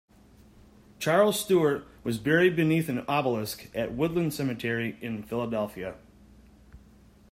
Charles Stewart was buried beneath an obelisk at Woodland Cemetery in Philadelphia.